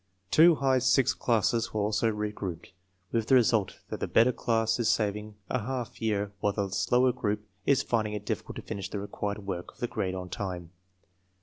Two high sixth classes were also re grouped, with the result that the better class is saving a half year while the slower group is finding it difficult to finish the required work of the grade on time.